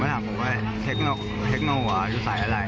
มันถามผมว่าเทคโนรออยู่สายอะไร